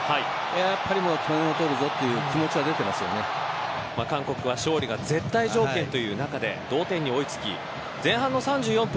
やっぱり点取るぞ韓国は勝利が絶対条件という中で同点に追い付き前半３４分。